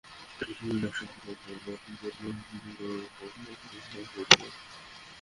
নাশকতার পরিকল্পনার অভিযোগে গতকাল সোমবার সকালে জলঢাকা থানা-পুলিশ তাঁদের গ্রেপ্তার করে।